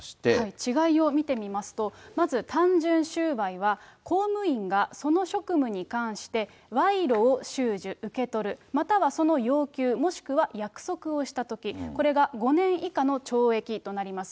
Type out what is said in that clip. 違いを見てみますと、まず単純収賄は公務員がその職務に関して賄賂を収受、受け取る、またはその要求、もしくは約束をしたとき、これが５年以下の懲役となります。